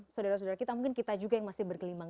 saudara saudara kita mungkin kita juga yang masih bergelimbang